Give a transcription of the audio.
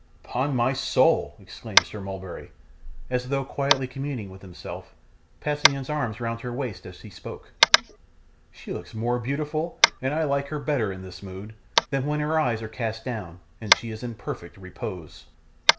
'Upon my soul!' exclaimed Sir Mulberry, as though quietly communing with himself; passing his arm round her waist as he spoke, 'she looks more beautiful, and I like her better in this mood, than when her eyes are cast down, and she is in perfect repose!